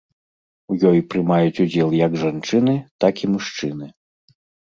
У ёй прымаюць удзел як жанчыны, так і мужчыны.